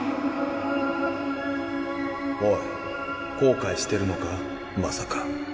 おい後悔してるのかまさか。